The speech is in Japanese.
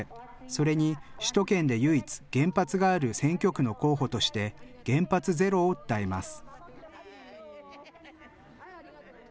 それに、首都圏で唯一、原発がある選挙区の候補として原発ゼロを訴えます。